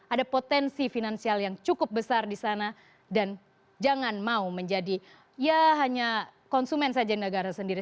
ada potensi finansial yang cukup besar di sana dan jangan mau menjadi ya hanya konsumen saja negara sendiri